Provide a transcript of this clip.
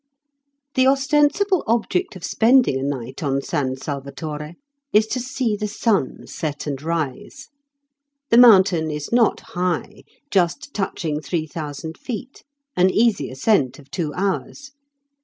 The ostensible object of spending a night on San Salvatore is to see the sun set and rise. The mountain is not high, just touching three thousand feet, an easy ascent of two hours.